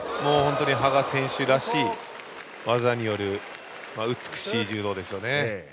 羽賀選手らしい技による美しい柔道ですね。